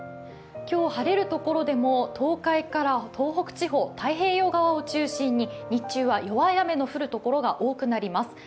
今日、晴れる所でも東海から東北地方、太平洋側を中心に日中は弱い雨の降るところが多くなります。